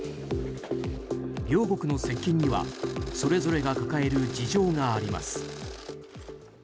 両国の接近にはそれぞれが抱える事情があります。